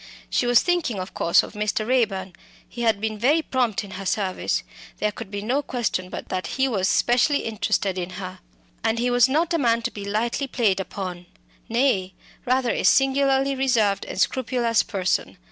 She was thinking, of course, of Mr. Raeburn. He had been very prompt in her service. There could be no question but that he was specially interested in her. And he was not a man to be lightly played upon nay, rather a singularly reserved and scrupulous person.